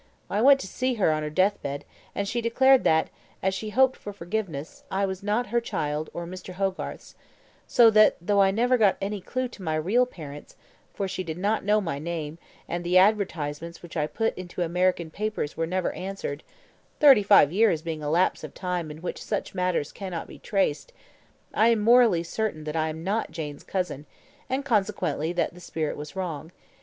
I went to see her on her death bed, and she declared that, as she hoped for forgiveness, I was not her child or Mr. Hogarth's; so that, though I never got any clue to my real parents for she did not know my name, and the advertisements which I put into American papers were never answered thirty five years being a lapse of time in which such matters cannot be traced I am morally certain that I am not Jane's cousin, and consequently that the spirit was wrong.